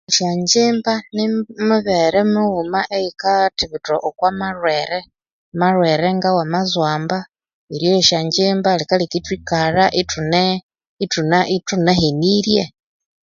Esyanjjimba nimibere mighuma eyikathibitha okwa malhwere malhwere nga wa mazomba eryoya esyonjjimba likaleka ithwikalha ithunahenirye